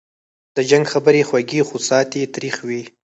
د جنګ خبري خوږې خو ساعت یې تریخ وي